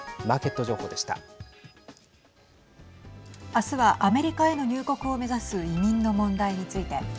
あすは、アメリカへの入国を目指す移民の問題について。